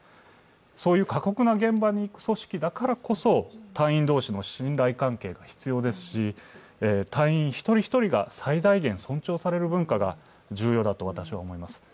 そういう過酷な現場の組織だからこそ隊員同士の信頼関係が必要ですし、隊員一人一人が最大限尊重される文化が重要だと私は思います。